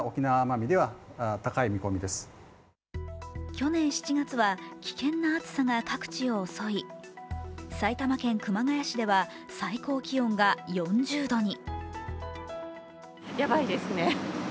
去年７月は危険な暑さが各地を襲い、埼玉県熊谷市では最高気温が４０度に。